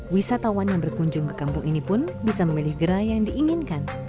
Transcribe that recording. wisatawan yang berkunjung ke kampung ini pun bisa memilih gerai yang diinginkan